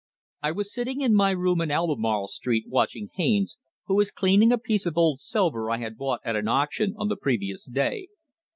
I was sitting in my room in Albemarle Street, watching Haines, who was cleaning a piece of old silver I had bought at an auction on the previous day.